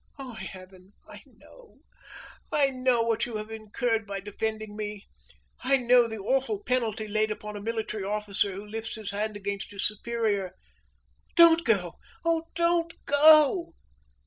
"Oh, heaven! I know! I know what you have incurred by defending me! I know the awful penalty laid upon a military officer who lifts his hand against his superior. Don't go! oh, don't go!"